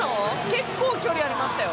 結構距離ありましたよ。